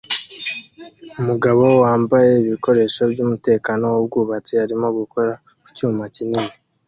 Umugabo wambaye ibikoresho byumutekano wubwubatsi arimo gukora ku cyuma kinini